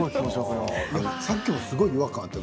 さっきもすごい違和感あった。